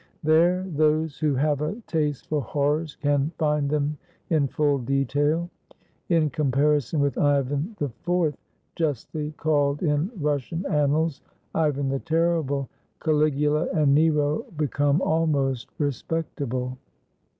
There those who have a taste for horrors can find them in full detail. In compar ison with Ivan IV, justly called in Russian annals "Ivan the Terrible," Caligula and Nero become almost respect able.